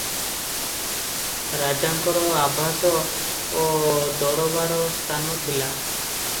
ରାଜାଙ୍କର ଆବାସ ଓ ଦରବାରସ୍ଥାନ ଥିଲା ।